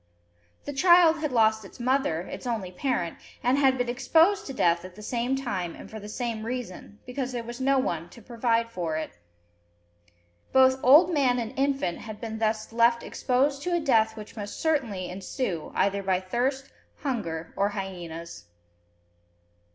The child had lost its mother, its only parent, and had been "exposed" to death at the same time and for the same reason, because there was no one to provide for it. Both old man and infant had been thus left exposed to a death which must certainly ensue, either by thirst, hunger, or hyenas.